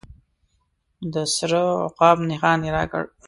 د سره عقاب نښان یې راکړ.